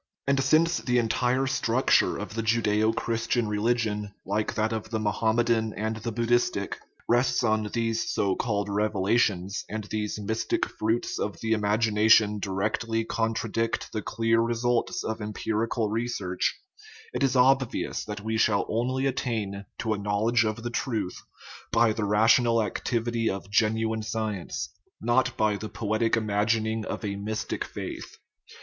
And since the entire structure of the Judaeo Christian religion, like that of the Mo hammedan and the Buddhistic, rests on these so called revelations, and these mystic fruits of the imagination directly contradict the clear results of empirical re search, it is obvious that we shall only attain to a knowledge of the truth by the rational activity of gen uine science, not by the poetic imagining of a mystic faith.